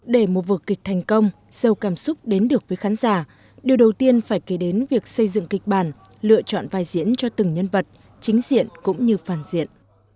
để một vờ kịch thành công sâu cảm xúc đến được với khán giả điều đầu tiên phải kể đến việc xây dựng kịch bản lựa chọn vai diễn cho từng nhân vật chính diện cũng như phản diện